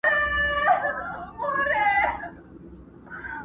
يوه ښځه شربت ورکوي او هڅه کوي مرسته وکړي،